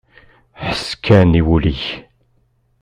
Ḥess kan i wul-ik!